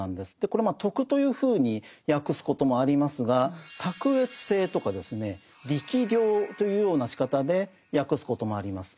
これ「徳」というふうに訳すこともありますが「卓越性」とか「力量」というようなしかたで訳すこともあります。